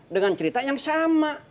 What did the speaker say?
dengan cerita yang sama